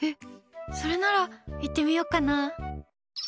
それなら、行ってみようかな。